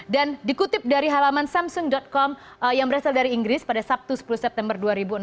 dan dikutip dari halaman samsung com yang berasal dari inggris pada sabtu sepuluh september dua ribu enam belas